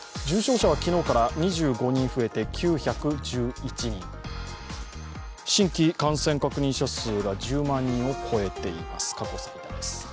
重症者は昨日から２５人増えて９１１人新規感染確認者数が１０万人を超えています。